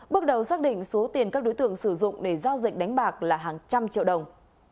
bước đầu xác định số tiền các đối tượng sử dụng để giao dịch đánh bạc là hàng trăm triệu đồng